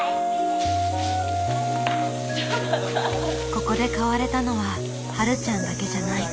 ここで変われたのははるちゃんだけじゃない。